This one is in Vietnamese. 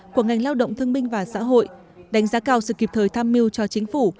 của ngành lao động thương minh và xã hội đánh giá cao sự kịp thời tham mưu cho chính phủ